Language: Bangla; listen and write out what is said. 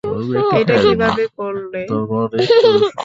এটা কীভাবে করলে?